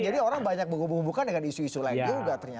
jadi orang banyak bergumung gumungkan dengan isu isu lainnya juga ternyata